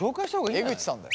江口さんだよ。